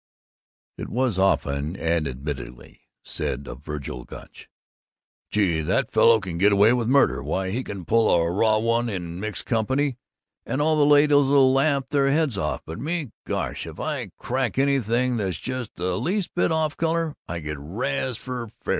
It was often and admiringly said of Vergil Gunch, "Gee, that fellow can get away with murder! Why, he can pull a Raw One in mixed company and all the ladies'll laugh their heads off, but me, gosh, if I crack anything that's just the least bit off color I get the razz for fair!"